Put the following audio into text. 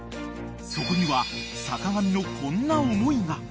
［そこには坂上のこんな思いが］